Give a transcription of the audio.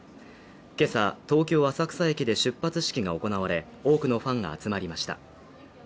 今朝、東京浅草駅で出発式が行われ、多くのファンが集まりました。